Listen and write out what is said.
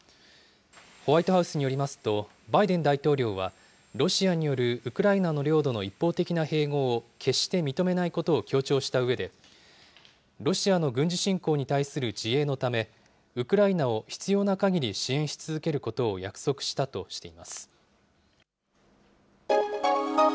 ホワイトハウスによりますと、バイデン大統領は、ロシアによるウクライナの領土の一方的な併合を決して認めないことを強調したうえで、ロシアの軍事侵攻に対する自衛のため、ウクライナを必要なかぎり支援し続けることを約束したとしています。